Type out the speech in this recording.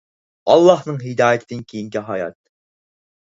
ئاللاھنىڭ ھىدايىتىدىن كېيىنكى ھايات